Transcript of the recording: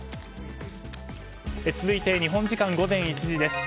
続いて、日本時間午前１時です。